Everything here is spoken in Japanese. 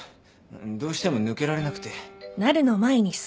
どうしても抜けられなくて。